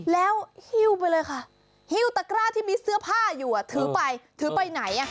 แล้วหิ้วไปเลยค่ะหิ้วตะกร้าที่มีเสื้อผ้าอยู่ถือไปถือไปไหน